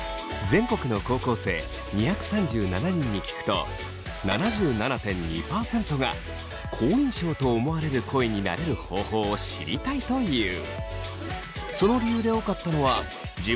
全国の高校生２３７人に聞くと７７．２％が好印象と思われる声になれる方法を知りたいという。